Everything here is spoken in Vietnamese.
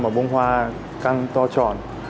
mà bông hoa căng to tròn